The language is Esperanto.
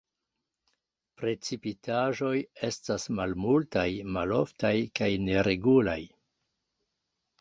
Precipitaĵoj estas malmultaj, maloftaj kaj neregulaj.